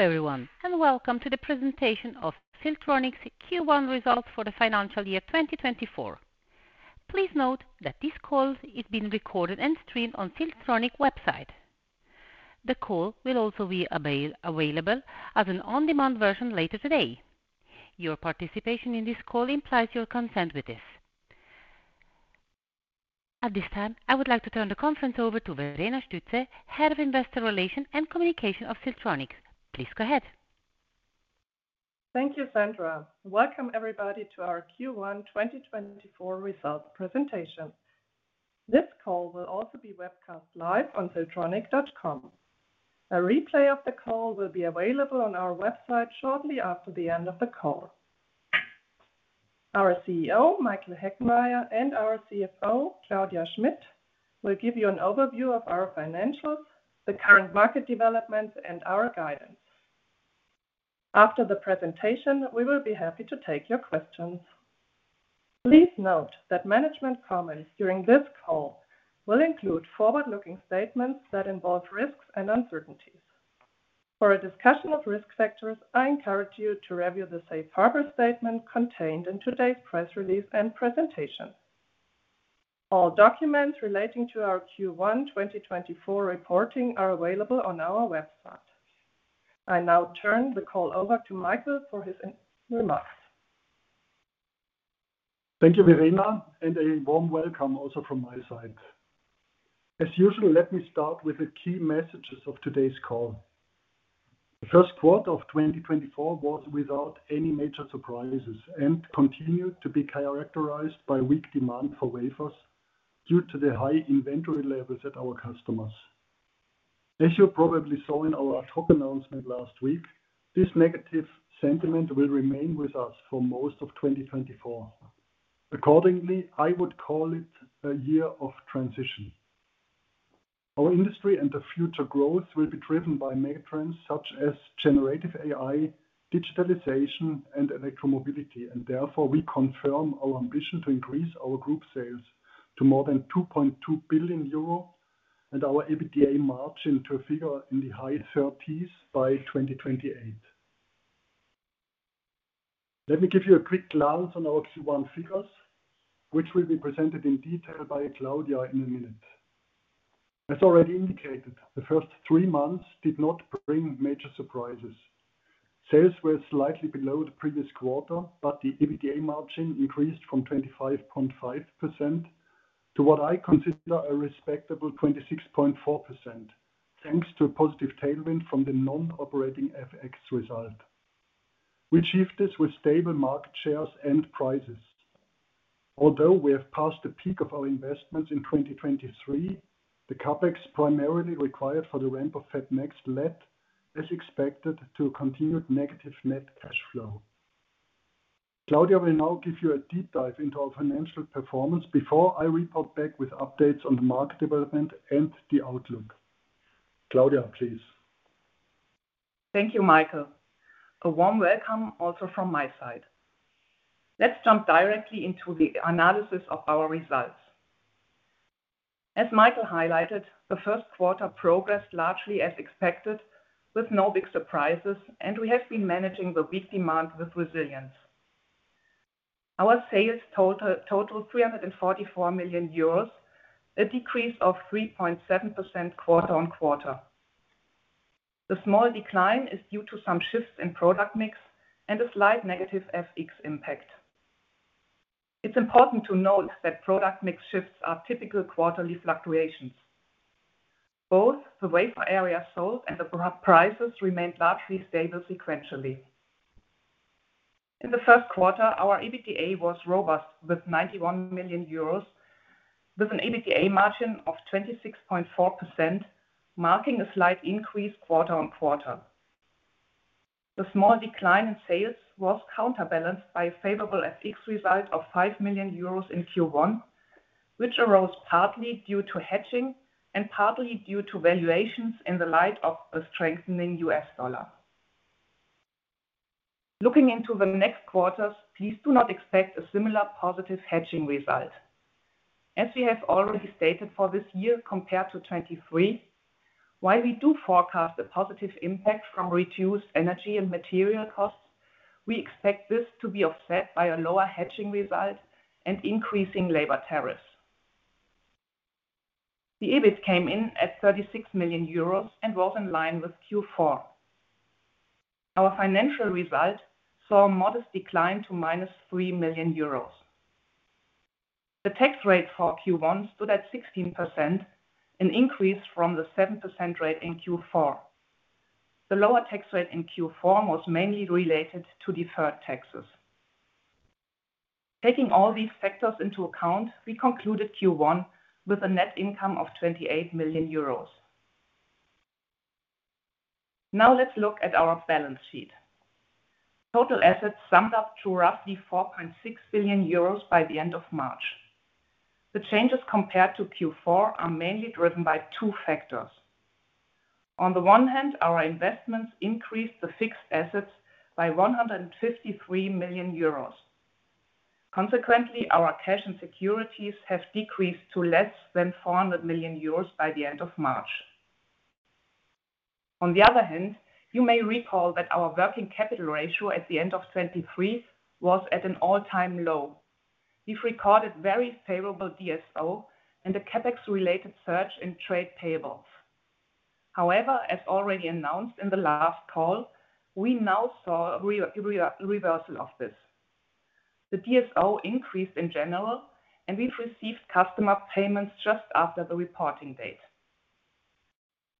Hello everyone and welcome to the presentation of Siltronic's Q1 results for the financial year 2024. Please note that this call is being recorded and streamed on Siltronic's website. The call will also be available as an on-demand version later today. Your participation in this call implies your consent with this. At this time, I would like to turn the conference over to Verena Stütze, Head of Investor Relations and Communication of Siltronic. Please go ahead. Thank you, Sandra. Welcome everybody to our Q1 2024 results presentation. This call will also be webcast live on Siltronic.com. A replay of the call will be available on our website shortly after the end of the call. Our CEO, Michael Heckmeier, and our CFO, Claudia Schmitt, will give you an overview of our financials, the current market developments, and our guidance. After the presentation, we will be happy to take your questions. Please note that management comments during this call will include forward-looking statements that involve risks and uncertainties. For a discussion of risk factors, I encourage you to review the Safe Harbor statement contained in today's press release and presentation. All documents relating to our Q1 2024 reporting are available on our website. I now turn the call over to Michael for his remarks. Thank you, Verena, and a warm welcome also from my side. As usual, let me start with the key messages of today's call. The first quarter of 2024 was without any major surprises and continued to be characterized by weak demand for wafers due to the high inventory levels at our customers. As you probably saw in our ad hoc announcement last week, this negative sentiment will remain with us for most of 2024. Accordingly, I would call it a year of transition. Our industry and the future growth will be driven by megatrends such as Generative AI, Digitalization, and Electromobility, and therefore we confirm our ambition to increase our group sales to more than 2.2 billion euro and our EBITDA margin to a figure in the high 30s% by 2028. Let me give you a quick glance on our Q1 figures, which will be presented in detail by Claudia in a minute. As already indicated, the first three months did not bring major surprises. Sales were slightly below the previous quarter, but the EBITDA margin increased from 25.5% to what I consider a respectable 26.4%, thanks to a positive tailwind from the non-operating FX result. We achieved this with stable market shares and prices. Although we have passed the peak of our investments in 2023, the Capex primarily required for the ramp of FabNext led, as expected, to a continued negative net cash flow. Claudia will now give you a deep dive into our financial performance before I report back with updates on the market development and the outlook. Claudia, please. Thank you, Michael. A warm welcome also from my side. Let's jump directly into the analysis of our results. As Michael highlighted, the first quarter progressed largely as expected with no big surprises, and we have been managing the weak demand with resilience. Our sales totaled 344 million euros, a decrease of 3.7% quarter-on-quarter. The small decline is due to some shifts in product mix and a slight negative FX impact. It's important to note that product mix shifts are typical quarterly fluctuations. Both the wafer area sold and the prices remained largely stable sequentially. In the first quarter, our EBITDA was robust with 91 million euros, with an EBITDA margin of 26.4%, marking a slight increase quarter-on-quarter. The small decline in sales was counterbalanced by a favorable FX result of 5 million euros in Q1, which arose partly due to hedging and partly due to valuations in the light of a strengthening US dollar. Looking into the next quarters, please do not expect a similar positive hedging result. As we have already stated for this year compared to 2023, while we do forecast a positive impact from reduced energy and material costs, we expect this to be offset by a lower hedging result and increasing labor tariffs. The EBIT came in at 36 million euros and was in line with Q4. Our financial result saw a modest decline to -3 million euros. The tax rate for Q1 stood at 16%, an increase from the 7% rate in Q4. The lower tax rate in Q4 was mainly related to deferred taxes. Taking all these factors into account, we concluded Q1 with a net income of 28 million euros. Now let's look at our balance sheet. Total assets summed up to roughly 4.6 billion euros by the end of March. The changes compared to Q4 are mainly driven by two factors. On the one hand, our investments increased the fixed assets by 153 million euros. Consequently, our cash and securities have decreased to less than 400 million euros by the end of March. On the other hand, you may recall that our working capital ratio at the end of 2023 was at an all-time low. We've recorded very favorable DSO and a CapEx-related surge in trade payables. However, as already announced in the last call, we now saw a reversal of this. The DSO increased in general, and we've received customer payments just after the reporting date.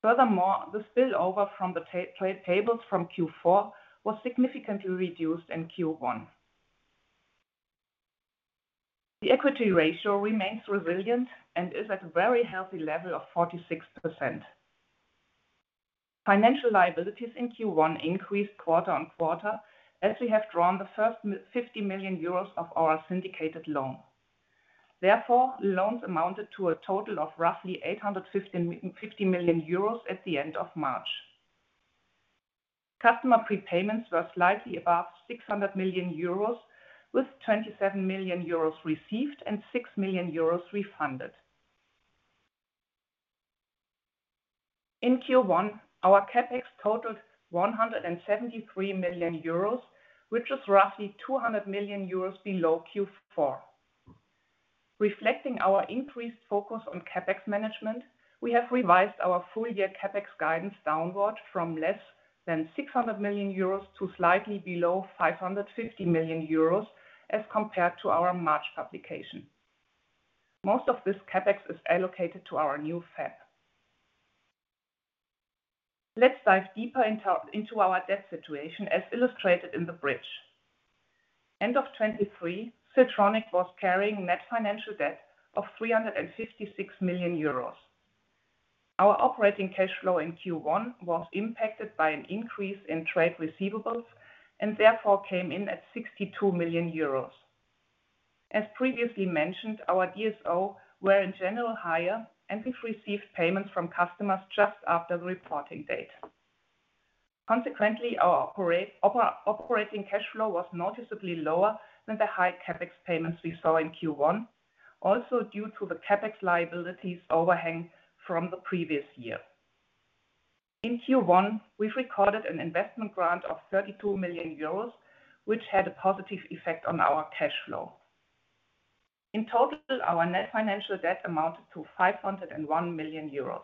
Furthermore, the spillover from the trade payables from Q4 was significantly reduced in Q1. The equity ratio remains resilient and is at a very healthy level of 46%. Financial liabilities in Q1 increased quarter-over-quarter as we have drawn the first 50 million euros of our syndicated loan. Therefore, loans amounted to a total of roughly 850 million euros at the end of March. Customer prepayments were slightly above 600 million euros, with 27 million euros received and 6 million euros refunded. In Q1, our Capex totaled 173 million euros, which was roughly 200 million euros below Q4. Reflecting our increased focus on Capex management, we have revised our full-year Capex guidance downward from less than 600 million euros to slightly below 550 million euros as compared to our March publication. Most of this Capex is allocated to our new FAB. Let's dive deeper into our debt situation as illustrated in the bridge. End of 2023, Siltronic was carrying net financial debt of 356 million euros. Our operating cash flow in Q1 was impacted by an increase in trade receivables and therefore came in at 62 million euros. As previously mentioned, our DSO were in general higher, and we've received payments from customers just after the reporting date. Consequently, our operating cash flow was noticeably lower than the high Capex payments we saw in Q1, also due to the Capex liabilities overhang from the previous year. In Q1, we've recorded an investment grant of 32 million euros, which had a positive effect on our cash flow. In total, our net financial debt amounted to 501 million euros.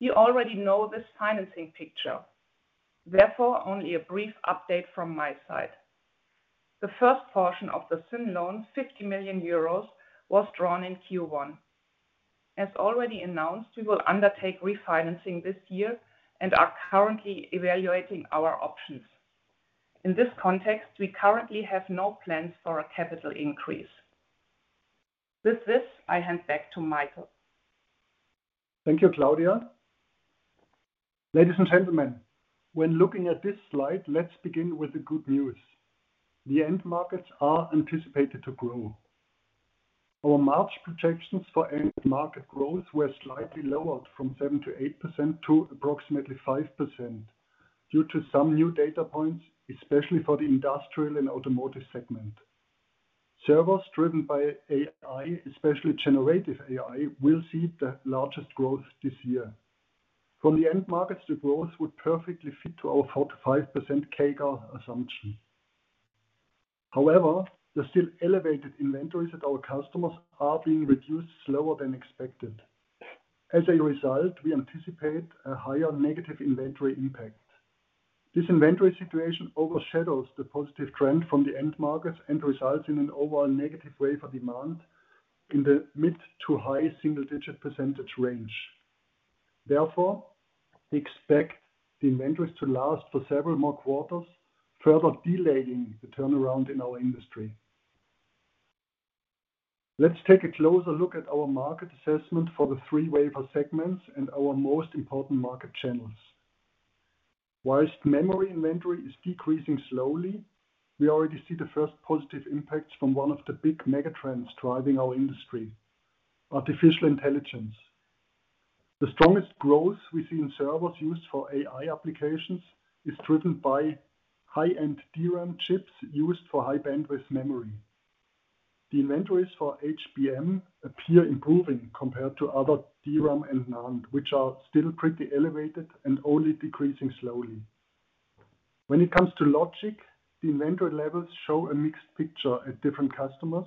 You already know this financing picture. Therefore, only a brief update from my side. The first portion of the Syn loan, 50 million euros, was drawn in Q1. As already announced, we will undertake refinancing this year and are currently evaluating our options. In this context, we currently have no plans for a capital increase. With this, I hand back to Michael. Thank you, Claudia. Ladies and gentlemen, when looking at this slide, let's begin with the good news. The end markets are anticipated to grow. Our March projections for end market growth were slightly lowered from 7%-8% to approximately 5% due to some new data points, especially for the industrial and automotive segment. Servers driven by AI, especially generative AI, will see the largest growth this year. From the end markets, the growth would perfectly fit to our 4%-5% CAGR assumption. However, the still elevated inventories at our customers are being reduced slower than expected. As a result, we anticipate a higher negative inventory impact. This inventory situation overshadows the positive trend from the end markets and results in an overall negative wafer demand in the mid- to high single-digit % range. Therefore, expect the inventories to last for several more quarters, further delaying the turnaround in our industry. Let's take a closer look at our market assessment for the three wafer segments and our most important market channels. While memory inventory is decreasing slowly, we already see the first positive impacts from one of the big megatrends driving our industry: artificial intelligence. The strongest growth we see in servers used for AI applications is driven by high-end DRAM chips used for high-bandwidth memory. The inventories for HBM appear improving compared to other DRAM and NAND, which are still pretty elevated and only decreasing slowly. When it comes to logic, the inventory levels show a mixed picture at different customers.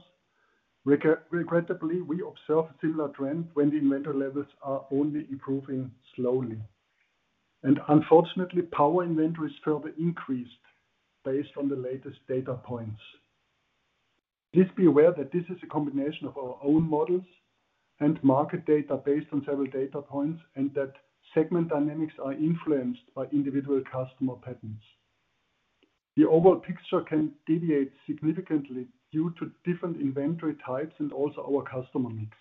Regrettably, we observe a similar trend when the inventory levels are only improving slowly. And unfortunately, power inventories further increased based on the latest data points. Please be aware that this is a combination of our own models and market data based on several data points, and that segment dynamics are influenced by individual customer patterns. The overall picture can deviate significantly due to different inventory types and also our customer mix.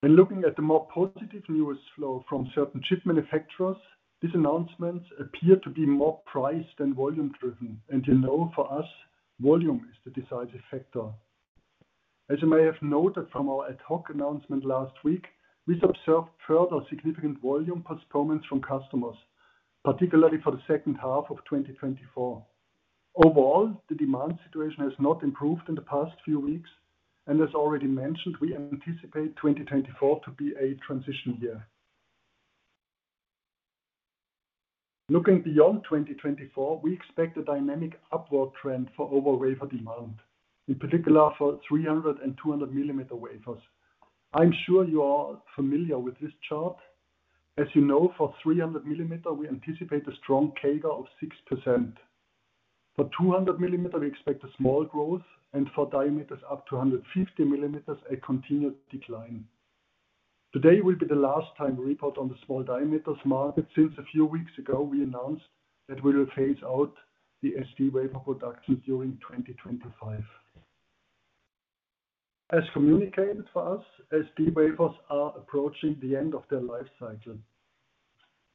When looking at the more positive news flow from certain chip manufacturers, these announcements appear to be more price than volume-driven, and you know, for us, volume is the decisive factor. As you may have noted from our ad hoc announcement last week, we've observed further significant volume postponements from customers, particularly for the second half of 2024. Overall, the demand situation has not improved in the past few weeks, and as already mentioned, we anticipate 2024 to be a transition year. Looking beyond 2024, we expect a dynamic upward trend for wafer demand, in particular for 300 and 200 millimeter wafers. I'm sure you are familiar with this chart. As you know, for 300-millimeter, we anticipate a strong CAGR of 6%. For 200-millimeter, we expect a small growth, and for diameters up to 150 millimeters, a continued decline. Today will be the last time we report on the small diameters market since a few weeks ago we announced that we will phase out the SD wafer production during 2025. As communicated for us, SD wafers are approaching the end of their life cycle.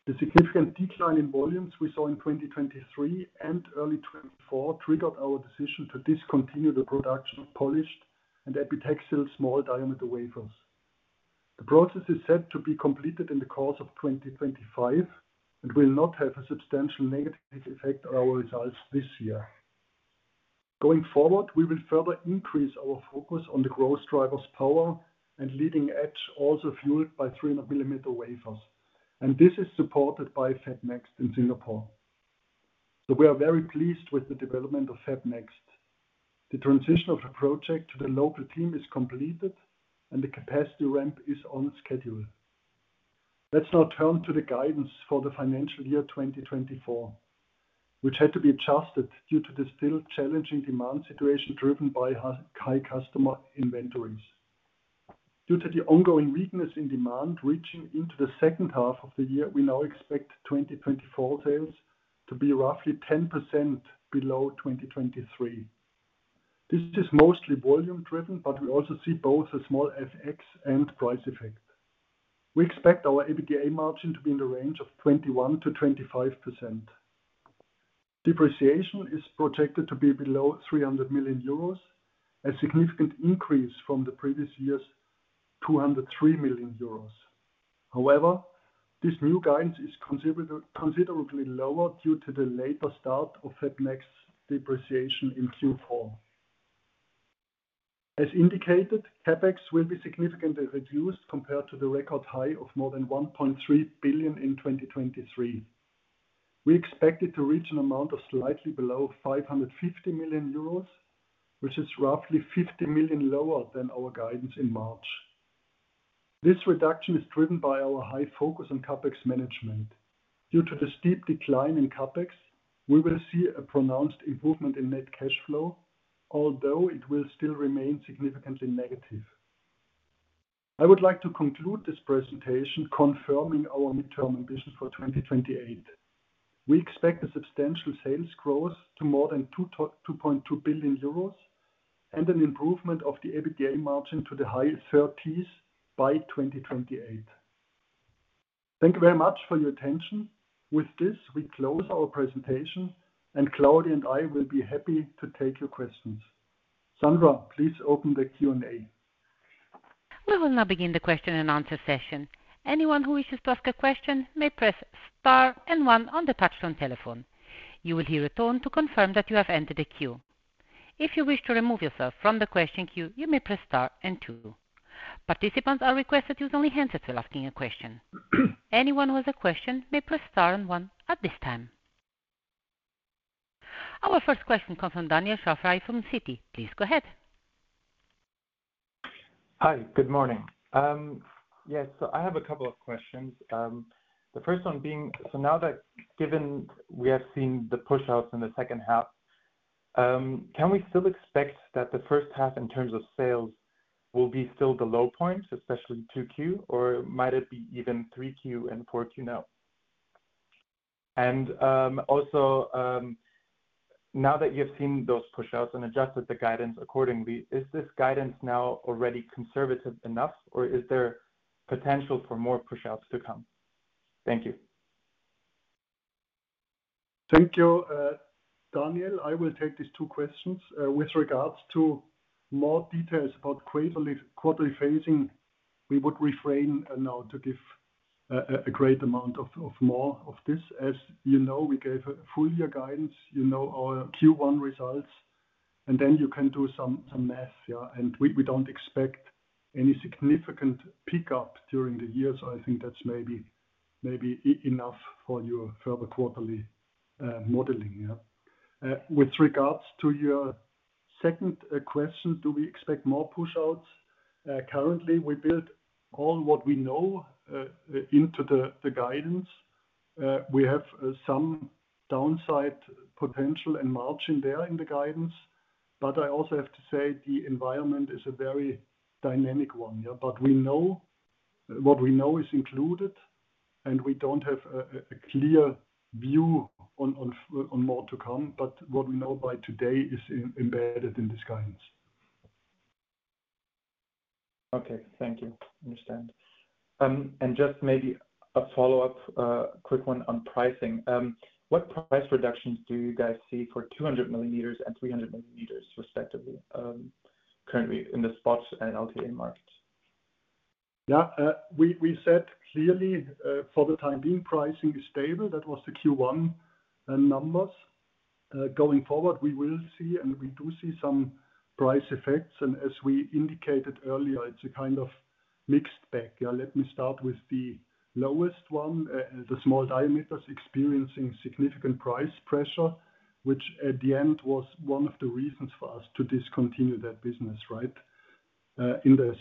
The significant decline in volumes we saw in 2023 and early 2024 triggered our decision to discontinue the production of polished and epitaxial small diameter wafers. The process is set to be completed in the course of 2025 and will not have a substantial negative effect on our results this year. Going forward, we will further increase our focus on the growth driver's power and leading edge, also fueled by 300 mm wafers, and this is supported by FabNext in Singapore. So we are very pleased with the development of FabNext. The transition of the project to the local team is completed, and the capacity ramp is on schedule. Let's now turn to the guidance for the financial year 2024, which had to be adjusted due to the still challenging demand situation driven by high customer inventories. Due to the ongoing weakness in demand reaching into the second half of the year, we now expect 2024 sales to be roughly 10% below 2023. This is mostly volume-driven, but we also see both a small FX and price effect. We expect our EBITDA margin to be in the range of 21%-25%. Depreciation is projected to be below 300 million euros, a significant increase from the previous year's 203 million euros. However, this new guidance is considerably lower due to the later start of FabNext's depreciation in Q4. As indicated, Capex will be significantly reduced compared to the record high of more than 1.3 billion in 2023. We expect it to reach an amount of slightly below 550 million euros, which is roughly 50 million lower than our guidance in March. This reduction is driven by our high focus on Capex management. Due to the steep decline in Capex, we will see a pronounced improvement in net cash flow, although it will still remain significantly negative. I would like to conclude this presentation confirming our midterm ambition for 2028. We expect a substantial sales growth to more than 2.2 billion euros and an improvement of the EBITDA margin to the high 30s% by 2028. Thank you very much for your attention. With this, we close our presentation, and Claudia and I will be happy to take your questions. Sandra, please open the Q&A. We will now begin the question and answer session. Anyone who wishes to ask a question may press star and one on the touch-tone telephone. You will hear a tone to confirm that you have entered a queue. If you wish to remove yourself from the question queue, you may press star and two. Participants are requested to use only handsets while asking a question. Anyone who has a question may press star and one at this time. Our first question comes from Daniel Schafei from Citi. Please go ahead. Hi, good morning. Yes, so I have a couple of questions. The first one being: so now that given we have seen the push-outs in the second half, can we still expect that the first half in terms of sales will be still the low point, especially 2Q, or might it be even 3Q and 4Q now? And also, now that you have seen those push-outs and adjusted the guidance accordingly, is this guidance now already conservative enough, or is there potential for more push-outs to come? Thank you. Thank you, Daniel. I will take these two questions. With regards to more details about quarterly phasing, we would refrain now to give a great amount of more of this. As you know, we gave a full-year guidance. You know our Q1 results, and then you can do some math, yeah. We don't expect any significant pickup during the year, so I think that's maybe enough for your further quarterly modeling, yeah. With regards to your second question, do we expect more push-outs? Currently, we built all what we know into the guidance. We have some downside potential and margin there in the guidance, but I also have to say the environment is a very dynamic one, yeah. But we know what we know is included, and we don't have a clear view on more to come, but what we know by today is embedded in this guidance. Okay, thank you. Understand. And just maybe a follow-up, quick one on pricing. What price reductions do you guys see for 200 millimeters and 300 millimeters, respectively, currently in the spot and LTA markets? Yeah, we said clearly, for the time being, pricing is stable. That was the Q1 numbers. Going forward, we will see, and we do see some price effects. And as we indicated earlier, it's a kind of mixed bag, yeah. Let me start with the lowest one, the small diameters experiencing significant price pressure, which at the end was one of the reasons for us to discontinue that business, right? In the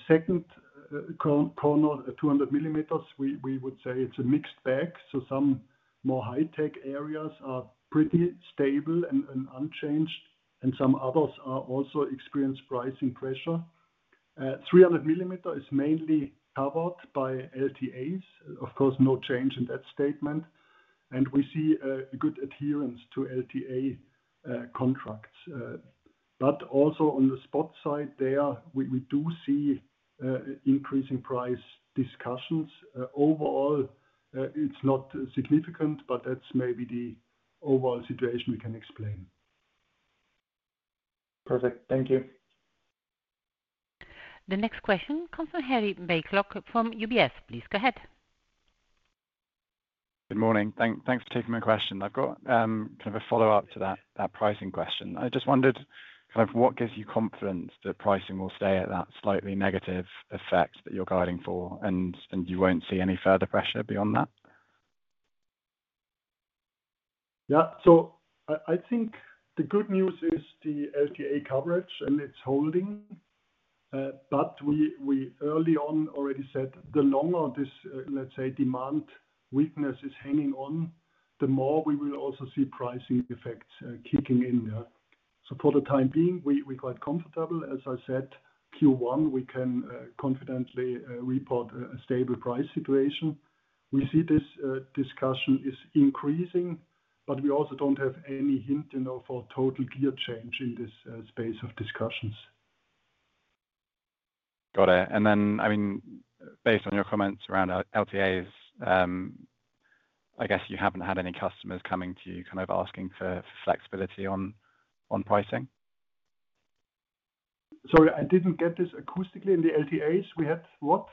second corner, 200 millimeters, we would say it's a mixed bag. So some more high-tech areas are pretty stable and unchanged, and some others are also experiencing pricing pressure. 300 millimeter is mainly covered by LTAs. Of course, no change in that statement. And we see a good adherence to LTA contracts. But also on the spot side there, we do see increasing price discussions. Overall, it's not significant, but that's maybe the overall situation we can explain. Perfect. Thank you. The next question comes from Harry Blaiklock from UBS. Please go ahead. Good morning. Thanks for taking my question. I've got kind of a follow-up to that pricing question. I just wondered kind of what gives you confidence that pricing will stay at that slightly negative effect that you're guiding for and you won't see any further pressure beyond that? Yeah, so I think the good news is the LTA coverage and it's holding. But we early on already said the longer this, let's say, demand weakness is hanging on, the more we will also see pricing effects kicking in, yeah. So for the time being, we're quite comfortable. As I said, Q1, we can confidently report a stable price situation. We see this discussion is increasing, but we also don't have any hint for total gear change in this space of discussions. Got it. Then, I mean, based on your comments around LTAs, I guess you haven't had any customers coming to you kind of asking for flexibility on pricing? Sorry, I didn't get this acoustically. In the LTAs, we had what?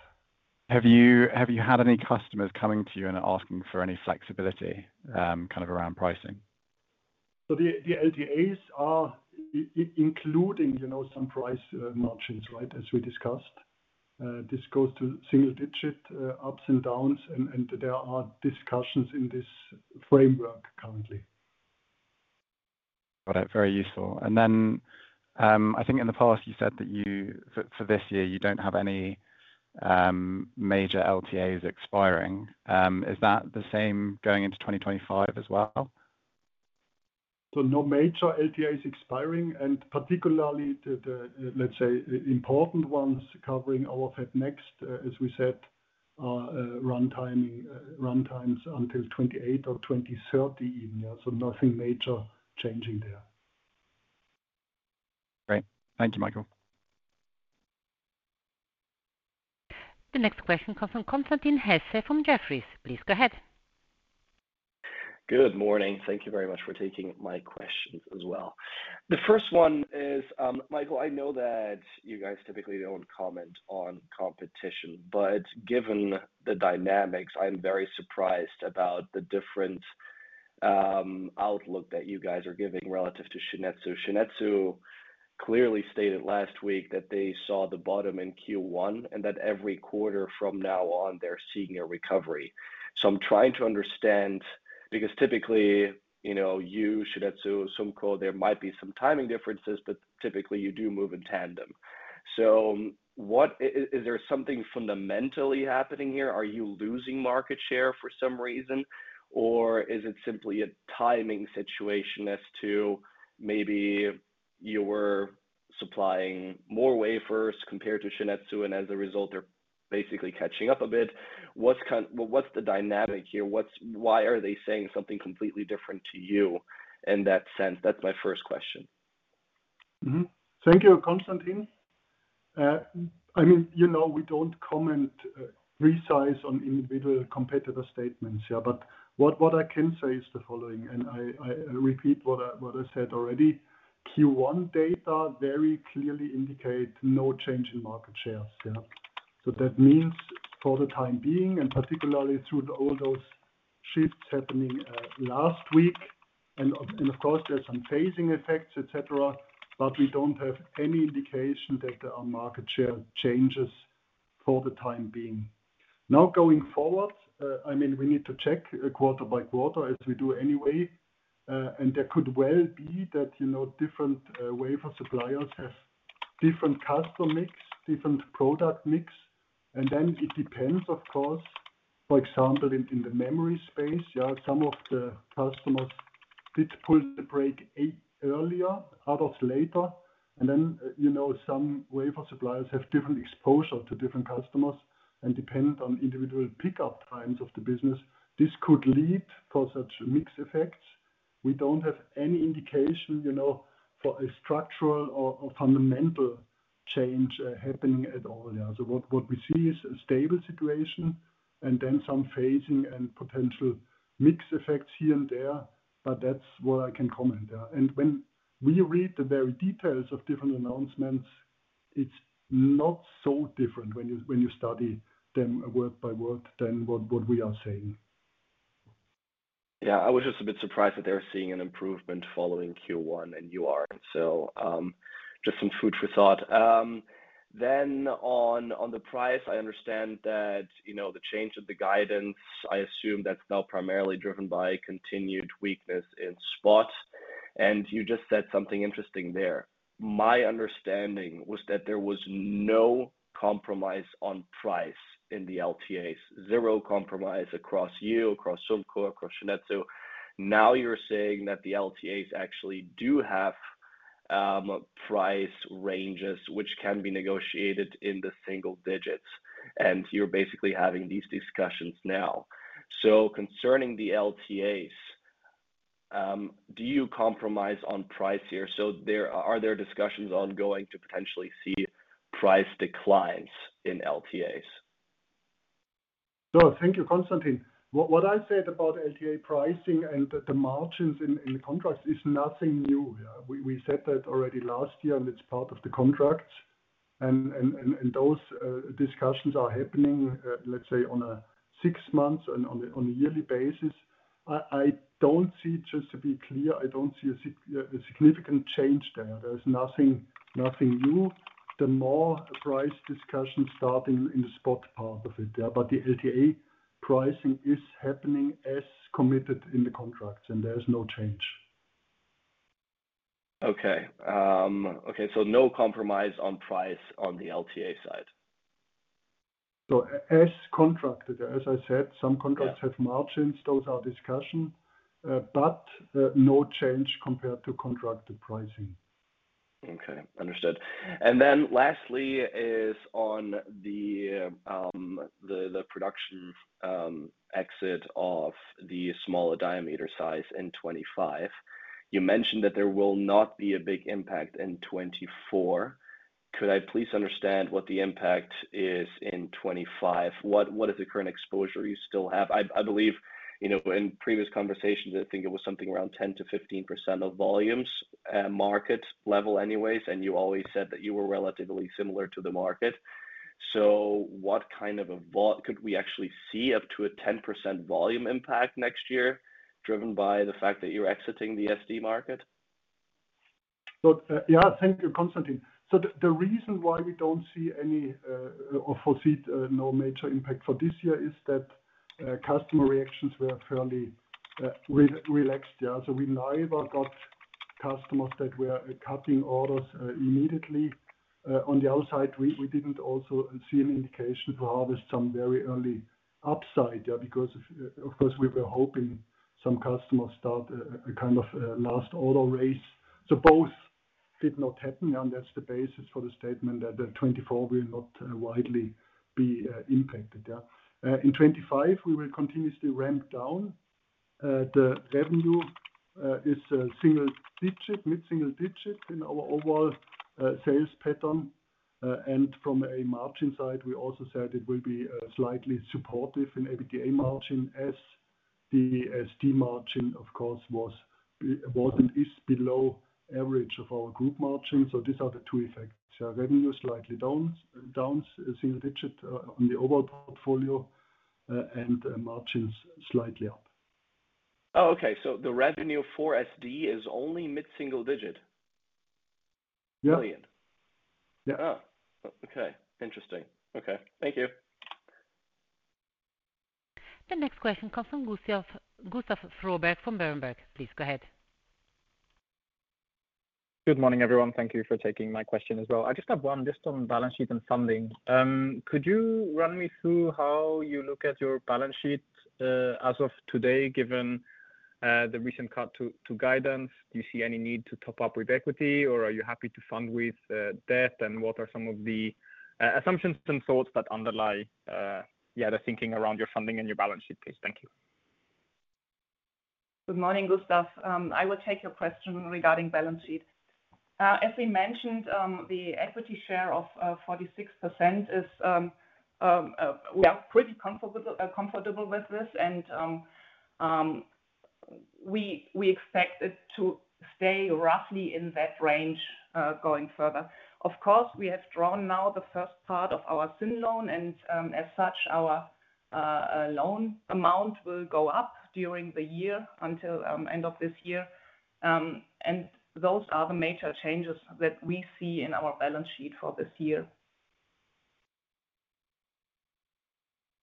Have you had any customers coming to you and asking for any flexibility kind of around pricing? The LTAs are including some price margins, right, as we discussed. This goes to single-digit ups and downs, and there are discussions in this framework currently. Got it. Very useful. Then I think in the past, you said that for this year, you don't have any major LTAs expiring. Is that the same going into 2025 as well? No major LTAs expiring. Particularly, let's say, important ones covering our FabNext, as we said, are runtimes until 2028 or 2030 even, yeah. Nothing major changing there. Great. Thank you, Michael. The next question comes from Constantin Hesse from Jefferies. Please go ahead. Good morning. Thank you very much for taking my questions as well. The first one is, Michael, I know that you guys typically don't comment on competition, but given the dynamics, I'm very surprised about the different outlook that you guys are giving relative to Shin-Etsu. Shin-Etsu clearly stated last week that they saw the bottom in Q1 and that every quarter from now on, they're seeing a recovery. So I'm trying to understand because typically, you, Shin-Etsu, SUMCO, there might be some timing differences, but typically you do move in tandem. So is there something fundamentally happening here? Are you losing market share for some reason, or is it simply a timing situation as to maybe you were supplying more wafers compared to Shin-Etsu, and as a result, they're basically catching up a bit? What's the dynamic here? Why are they saying something completely different to you in that sense? That's my first question. Thank you, Constantin. I mean, you know we don't comment precisely on individual competitor statements, yeah, but what I can say is the following. And I repeat what I said already. Q1 data very clearly indicate no change in market shares, yeah. So that means for the time being, and particularly through all those shifts happening last week, and of course, there's some phasing effects, etc., but we don't have any indication that there are market share changes for the time being. Now going forward, I mean, we need to check quarter by quarter as we do anyway. And there could well be that different wafer suppliers have different customer mix, different product mix. And then it depends, of course. For example, in the memory space, yeah, some of the customers did pull the brake earlier, others later. Then some wafer suppliers have different exposure to different customers and depend on individual pickup times of the business. This could lead for such mixed effects. We don't have any indication for a structural or fundamental change happening at all, yeah. What we see is a stable situation and then some phasing and potential mixed effects here and there, but that's what I can comment, yeah. When we read the very details of different announcements, it's not so different when you study them word by word than what we are saying. Yeah, I was just a bit surprised that they were seeing an improvement following Q1, and you are. So just some food for thought. Then on the price, I understand that the change of the guidance, I assume that's now primarily driven by continued weakness in spot. And you just said something interesting there. My understanding was that there was no compromise on price in the LTAs, zero compromise across you, across SUMCO, across Shin-Etsu. Now you're saying that the LTAs actually do have price ranges, which can be negotiated in the single digits. And you're basically having these discussions now. So concerning the LTAs, do you compromise on price here? So are there discussions on going to potentially see price declines in LTAs? So thank you, Constantin. What I said about LTA pricing and the margins in the contracts is nothing new, yeah. We said that already last year, and it's part of the contracts. Those discussions are happening, let's say, on a six-month and on a yearly basis. I don't see, just to be clear, I don't see a significant change there. There's nothing new. The more price discussions starting in the spot part of it, yeah, but the LTA pricing is happening as committed in the contracts, and there's no change. Okay. Okay, so no compromise on price on the LTA side? As contracted, as I said, some contracts have margins. Those are discussions, but no change compared to contracted pricing. Okay. Understood. And then lastly is on the production exit of the smaller diameter size in 2025. You mentioned that there will not be a big impact in 2024. Could I please understand what the impact is in 2025? What is the current exposure you still have? I believe in previous conversations, I think it was something around 10%-15% of volumes market level anyways, and you always said that you were relatively similar to the market. So what kind of a could we actually see up to a 10% volume impact next year driven by the fact that you're exiting the SD market? So yeah, thank you, Constantin. So the reason why we don't see any or foresee no major impact for this year is that customer reactions were fairly relaxed, yeah. So we neither got customers that were cutting orders immediately. On the other side, we didn't also see an indication to harvest some very early upside, yeah, because of course, we were hoping some customers start a kind of last order race. So both did not happen, yeah, and that's the basis for the statement that 2024 will not widely be impacted, yeah. In 2025, we will continuously ramp down. The revenue is mid-single digit in our overall sales pattern. And from a margin side, we also said it will be slightly supportive in EBITDA margin as the SD margin, of course, was and is below average of our group margin. So these are the two effects, yeah. Revenue slightly down single digit on the overall portfolio and margins slightly up. Oh, okay. So the revenue for SD is only mid-single digit? Yeah. Brilliant. Okay. Interesting. Okay. Thank you. The next question comes from Gustav Froberg from Berenberg. Please go ahead. Good morning, everyone. Thank you for taking my question as well. I just have one just on balance sheet and funding. Could you run me through how you look at your balance sheet as of today given the recent cut to guidance? Do you see any need to top up with equity, or are you happy to fund with debt? And what are some of the assumptions and thoughts that underlie, yeah, the thinking around your funding and your balance sheet? Please. Thank you. Good morning, Gustav. I will take your question regarding balance sheet. As we mentioned, the equity share of 46% is. We are pretty comfortable with this, and we expect it to stay roughly in that range going further. Of course, we have drawn now the first part of our SIN loan, and as such, our loan amount will go up during the year until end of this year. Those are the major changes that we see in our balance sheet for this year.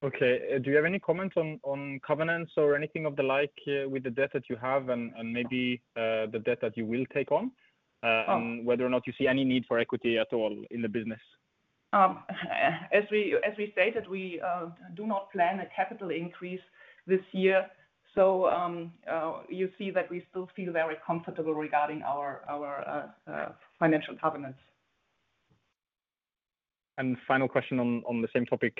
Okay. Do you have any comments on covenants or anything of the like with the debt that you have and maybe the debt that you will take on and whether or not you see any need for equity at all in the business? As we stated, we do not plan a capital increase this year. So you see that we still feel very comfortable regarding our financial covenants. Final question on the same topic.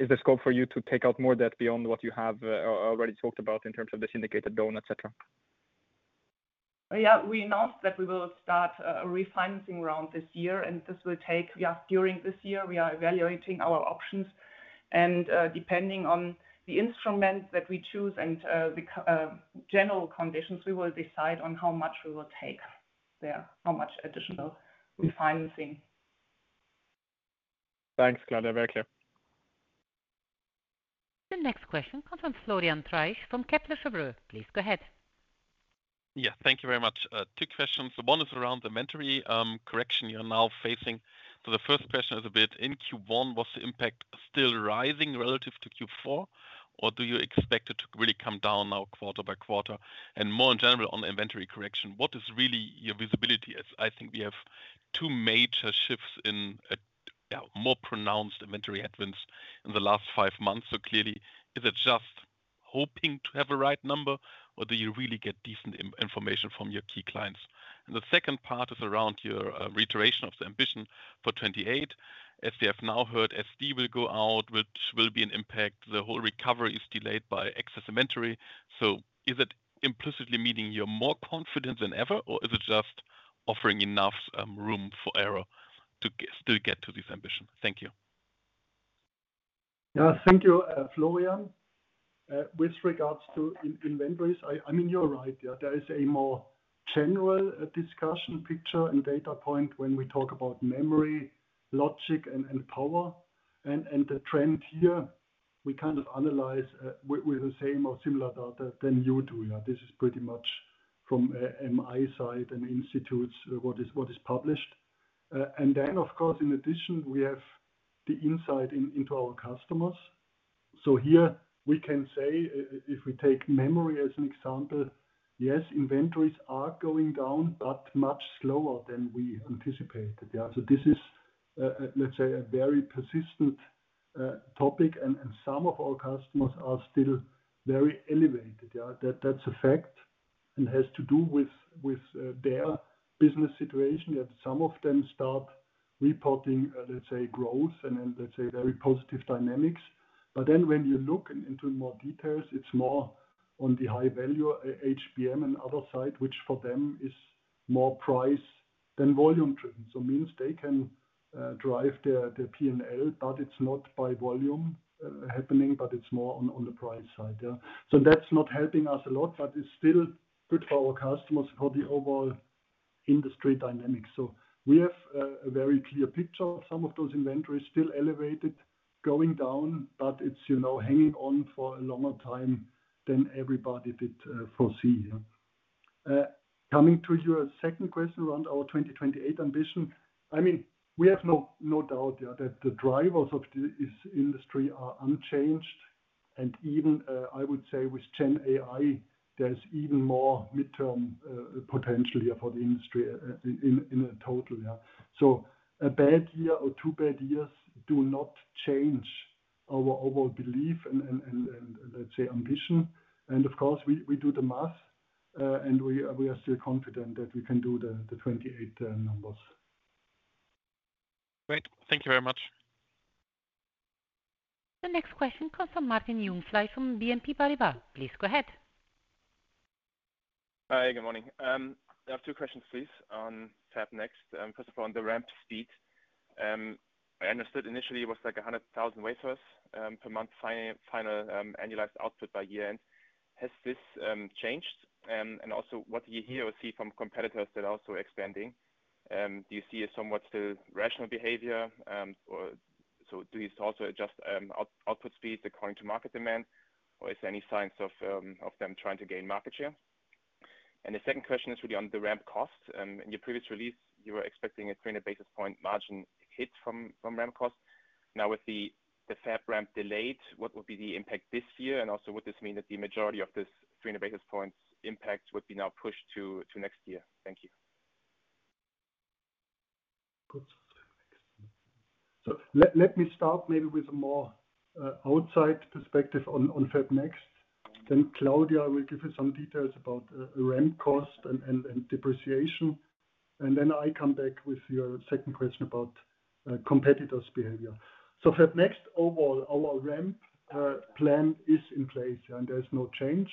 Is there scope for you to take out more debt beyond what you have already talked about in terms of the syndicated loan, etc.? Yeah, we announced that we will start a refinancing round this year, and this will take during this year. We are evaluating our options. Depending on the instrument that we choose and the general conditions, we will decide on how much we will take there, how much additional refinancing. Thanks, Claudia. Very clear. The next question comes from Florian Treisch from Kepler Cheuvreux. Please go ahead. Yeah, thank you very much. Two questions. The one is around inventory correction you're now facing. So the first question is a bit, in Q1, was the impact still rising relative to Q4, or do you expect it to really come down now quarter by quarter? And more in general on inventory correction, what is really your visibility? I think we have two major shifts in, yeah, more pronounced inventory headwinds in the last five months. So clearly, is it just hoping to have a right number, or do you really get decent information from your key clients? And the second part is around your reiteration of the ambition for 2028. As we have now heard, SD will go out, which will be an impact. The whole recovery is delayed by excess inventory. Is it implicitly meaning you're more confident than ever, or is it just offering enough room for error to still get to this ambition? Thank you. Yeah, thank you, Florian. With regards to inventories, I mean, you're right, yeah. There is a more general discussion picture and data point when we talk about memory, logic, and power. The trend here, we kind of analyze with the same or similar data than you do, yeah. This is pretty much from MI side and institutes what is published. Then, of course, in addition, we have the insight into our customers. Here, we can say if we take memory as an example, yes, inventories are going down, but much slower than we anticipated, yeah. This is, let's say, a very persistent topic, and some of our customers are still very elevated, yeah. That's a fact and has to do with their business situation, yeah. Some of them start reporting, let's say, growth and then, let's say, very positive dynamics. But then when you look into more details, it's more on the high value, HBM and other side, which for them is more price than volume-driven. So it means they can drive their P&L, but it's not by volume happening, but it's more on the price side, yeah. So that's not helping us a lot, but it's still good for our customers for the overall industry dynamics. So we have a very clear picture of some of those inventories still elevated, going down, but it's hanging on for a longer time than everybody did foresee, yeah. Coming to your second question around our 2028 ambition, I mean, we have no doubt, yeah, that the drivers of this industry are unchanged. And even, I would say, with Gen AI, there's even more midterm potential here for the industry in total, yeah. A bad year or two bad years do not change our overall belief and, let's say, ambition. Of course, we do the math, and we are still confident that we can do the 2028 numbers. Great. Thank you very much. The next question comes from Martin Jungfleisch from BNP Paribas. Please go ahead. Hi, good morning. I have two questions, please, on FabNext. First of all, on the ramp speed. I understood initially it was like 100,000 wafers per month final annualized output by year-end. Has this changed? And also, what do you hear or see from competitors that are also expanding? Do you see somewhat still rational behavior? So do you also adjust output speeds according to market demand, or is there any signs of them trying to gain market share? And the second question is really on the ramp cost. In your previous release, you were expecting a 300 basis point margin hit from ramp cost. Now with the FabNext delayed, what would be the impact this year? And also, would this mean that the majority of this 300 basis points impact would be now pushed to next year? Thank you. Good. So let me start maybe with a more outside perspective on FabNext. Then Claudia will give you some details about ramp cost and depreciation. And then I come back with your second question about competitors' behavior. So FabNext, overall, our ramp plan is in place, yeah, and there's no change.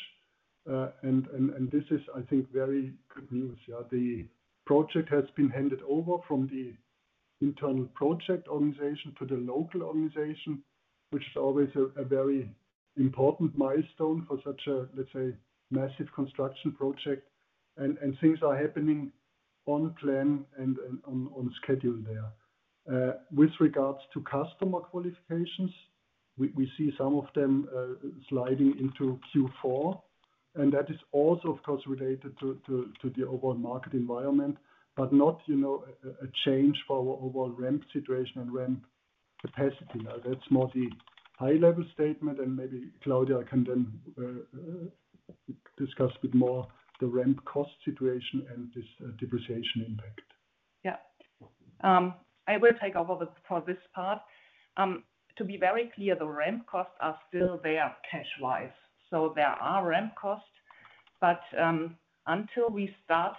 And this is, I think, very good news, yeah. The project has been handed over from the internal project organization to the local organization, which is always a very important milestone for such a, let's say, massive construction project. And things are happening on plan and on schedule there. With regards to customer qualifications, we see some of them sliding into Q4. And that is also, of course, related to the overall market environment, but not a change for our overall ramp situation and ramp capacity. That's more the high-level statement. Maybe Claudia can then discuss a bit more the ramp cost situation and this depreciation impact. Yeah. I will take over for this part. To be very clear, the ramp costs are still there cash-wise. So there are ramp costs, but until we start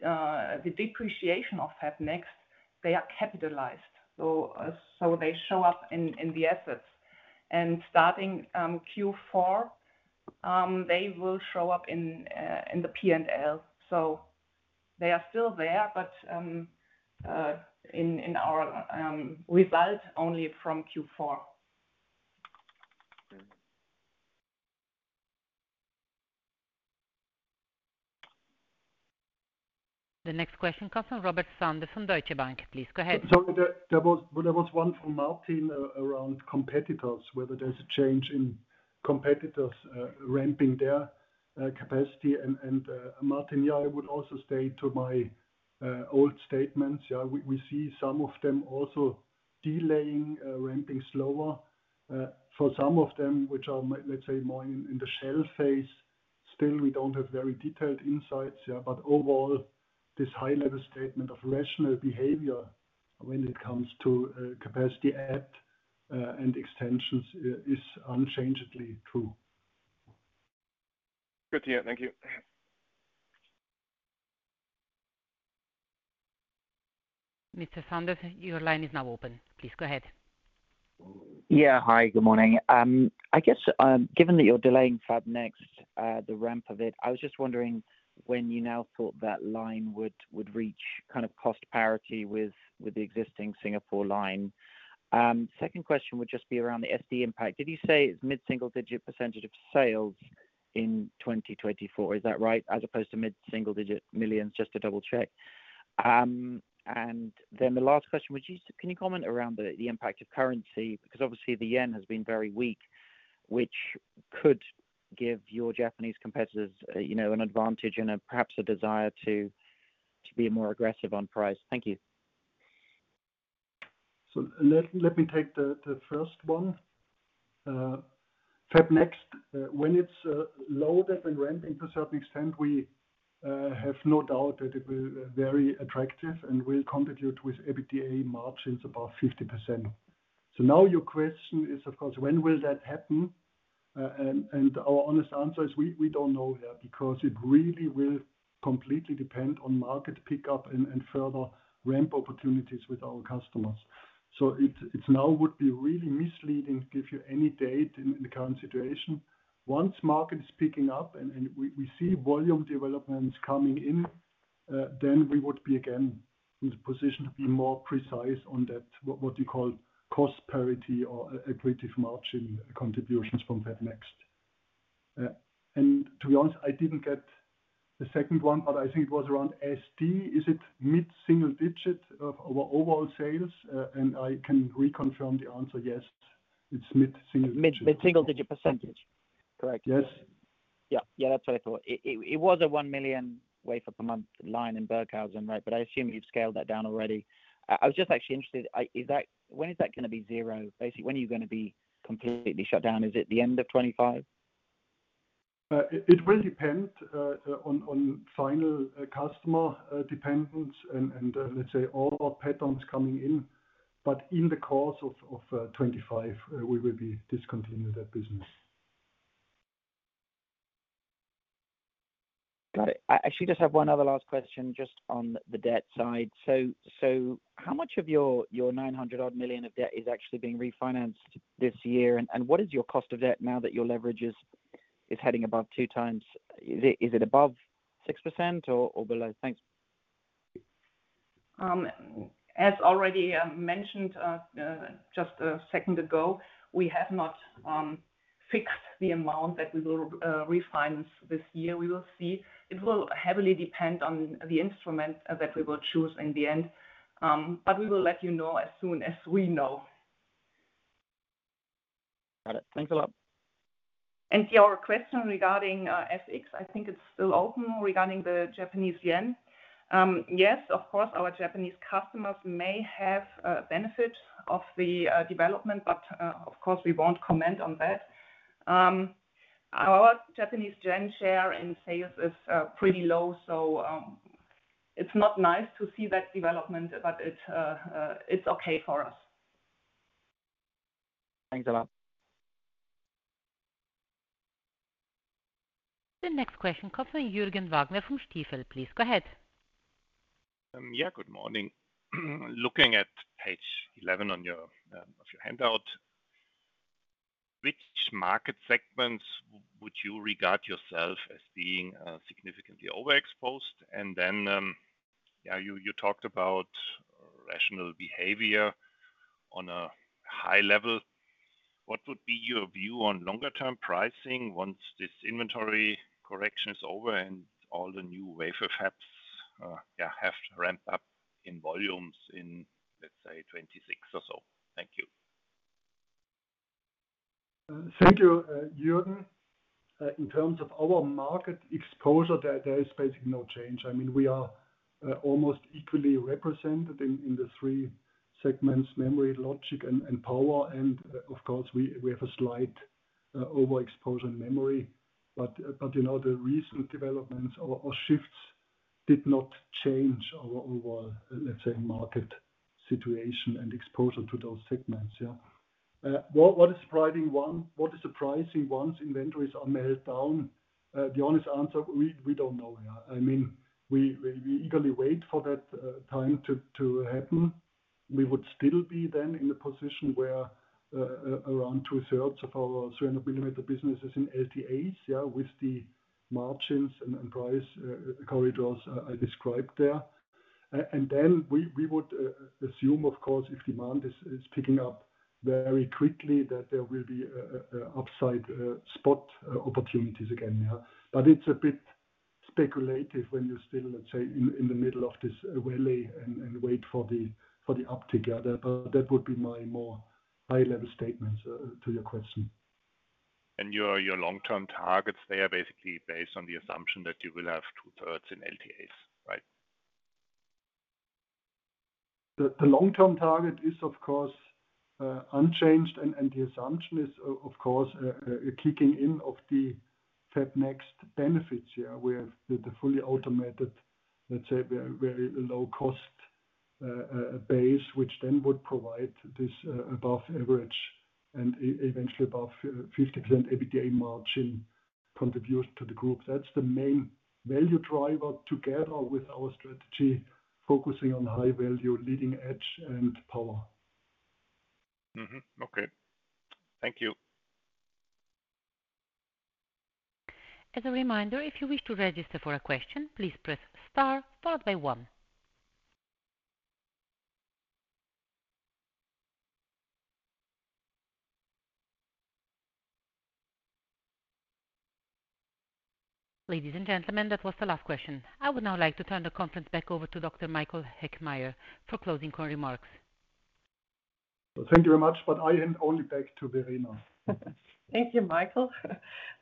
the depreciation of FabNext, they are capitalized. So they show up in the assets. And starting Q4, they will show up in the P&L. So they are still there, but in our result only from Q4. The next question comes from Robert Sanders from Deutsche Bank. Please go ahead. Sorry, there was one from Martin around competitors, whether there's a change in competitors ramping their capacity. And Martin, yeah, I would also stay to my old statements, yeah. We see some of them also delaying ramping slower. For some of them, which are, let's say, more in the shell phase, still, we don't have very detailed insights, yeah. But overall, this high-level statement of rational behavior when it comes to capacity add and extensions is unchangedly true. Good to hear. Thank you. Mr. Sanders, your line is now open. Please go ahead. Yeah, hi. Good morning. I guess given that you're delaying FabNext, the ramp of it, I was just wondering when you now thought that line would reach kind of cost parity with the existing Singapore line. Second question would just be around the SD impact. Did you say it's mid-single-digit % of sales in 2024? Is that right as opposed to mid-single-digit millions? Just to double-check. And then the last question, can you comment around the impact of currency? Because obviously, the yen has been very weak, which could give your Japanese competitors an advantage and perhaps a desire to be more aggressive on price. Thank you. So let me take the first one. FabNext, when it's loaded and ramping to a certain extent, we have no doubt that it will be very attractive and will contribute with EBITDA margins above 50%. So now your question is, of course, when will that happen? And our honest answer is we don't know yet because it really will completely depend on market pickup and further ramp opportunities with our customers. So it now would be really misleading to give you any date in the current situation. Once market is picking up and we see volume developments coming in, then we would be again in the position to be more precise on that, what you call cost parity or equivalent margin contributions from FabNext. And to be honest, I didn't get the second one, but I think it was around SD. Is it mid-single digit of our overall sales? I can reconfirm the answer, yes, it's mid-single digit. Mid-single-digit percentage. Correct. Yes. Yeah, yeah, that's what I thought. It was a 1 million wafer per month line in Burghausen, right? But I assume you've scaled that down already. I was just actually interested, when is that going to be zero? Basically, when are you going to be completely shut down? Is it the end of 2025? It will depend on final customer dependence and, let's say, all our patterns coming in. But in the course of 2025, we will discontinue that business. Got it. I actually just have one other last question just on the debt side. So how much of your 900-odd million of debt is actually being refinanced this year? And what is your cost of debt now that your leverage is heading above two times? Is it above 6% or below? Thanks. As already mentioned just a second ago, we have not fixed the amount that we will refinance this year. We will see. It will heavily depend on the instrument that we will choose in the end. But we will let you know as soon as we know. Got it. Thanks a lot. Our question regarding FX, I think it's still open regarding the Japanese yen. Yes, of course, our Japanese customers may have a benefit of the development, but of course, we won't comment on that. Our Japanese yen share in sales is pretty low. So it's not nice to see that development, but it's okay for us. Thanks a lot. The next question comes from Jürgen Wagner from Stifel. Please go ahead. Yeah, good morning. Looking at page 11 of your handout, which market segments would you regard yourself as being significantly overexposed? And then, yeah, you talked about rational behavior on a high level. What would be your view on longer-term pricing once this inventory correction is over and all the new wafer fabs, yeah, have ramped up in volumes in, let's say, 2026 or so? Thank you. Thank you, Jürgen. In terms of our market exposure, there is basically no change. I mean, we are almost equally represented in the three segments: memory, logic, and power. And of course, we have a slight overexposure in memory. But the recent developments or shifts did not change our overall, let's say, market situation and exposure to those segments, yeah. What is surprising once inventories are meltdown? The honest answer, we don't know, yeah. I mean, we eagerly wait for that time to happen. We would still be then in the position where around two-thirds of our 300 mm business is in LTAs, yeah, with the margins and price corridors I described there. And then we would assume, of course, if demand is picking up very quickly, that there will be upside spot opportunities again, yeah. But it's a bit speculative when you're still, let's say, in the middle of this valley and wait for the uptick, yeah. But that would be my more high-level statements to your question. Your long-term targets, they are basically based on the assumption that you will have two-thirds in LTAs, right? The long-term target is, of course, unchanged. The assumption is, of course, a kicking-in of the FabNext benefits here with the fully automated, let's say, very low-cost base, which then would provide this above-average and eventually above 50% EBITDA margin contribution to the group. That's the main value driver together with our strategy focusing on high value, leading edge, and power. Okay. Thank you. As a reminder, if you wish to register for a question, please press star followed by one. Ladies and gentlemen, that was the last question. I would now like to turn the conference back over to Dr. Michael Heckmeier for closing remarks. Thank you very much. But I hand only back to Verena. Thank you, Michael.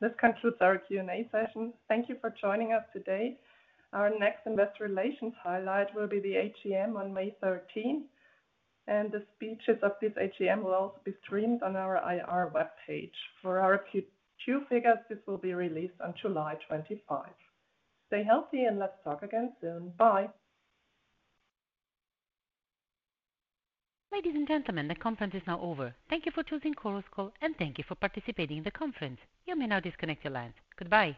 This concludes our Q&A session. Thank you for joining us today. Our next investor relations highlight will be the AGM on May 13th. The speeches of this AGM will also be streamed on our IR webpage. For our Q2 figures, this will be released on July 25th. Stay healthy, and let's talk again soon. Bye. Ladies and gentlemen, the conference is now over. Thank you for choosing ChorusCall, and thank you for participating in the conference. You may now disconnect your lines. Goodbye.